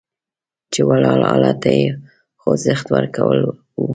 چې ولاړ حالت ته یې خوځښت ورکول وو.